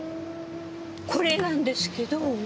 これなんですけど。